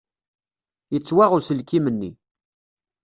Yettwaɣ uselkim-nni.